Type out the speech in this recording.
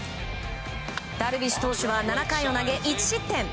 ダルビッシュ投手は７回を投げ１失点。